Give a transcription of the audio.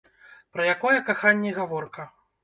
Пра якое каханне гаворка?